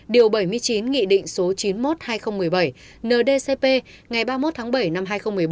điều bảy mươi chín nghị định số chín mươi một hai nghìn một mươi bảy ndcp ngày ba mươi một tháng bảy năm hai nghìn một mươi bảy